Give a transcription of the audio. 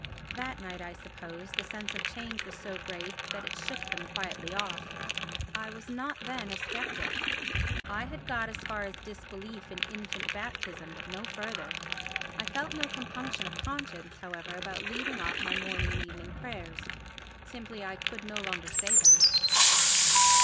That night, I suppose, the sense of change was so great that it shook them quietly off. I was not then a sceptic; I had got as far as disbelief in infant baptism but no further. I felt no compunction of conscience, however, about leaving off my morning and evening prayers—simply I could no longer say them.